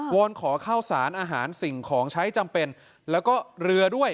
อนขอข้าวสารอาหารสิ่งของใช้จำเป็นแล้วก็เรือด้วย